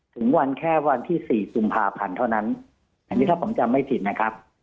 ถึงวันแค่วันที่สี่กุมภาพันธ์เท่านั้นอันนี้ถ้าผมจำไม่ผิดนะครับ